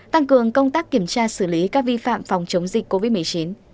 tăng cường công tác kiểm tra xử lý các vi phạm phòng chống dịch covid một mươi chín